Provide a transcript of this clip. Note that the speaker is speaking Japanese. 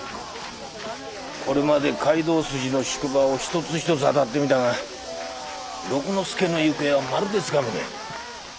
これまで街道筋の宿場を一つ一つ当たってみたが六之助の行方はまるでつかめねえ。